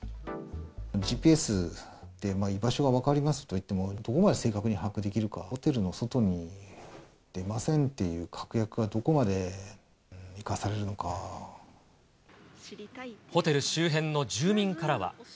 ＧＰＳで居場所が分かりますといっても、どこまで正確に把握できるか、ホテルの外に出ませんっていう確約は、ホテル周辺の住民からは。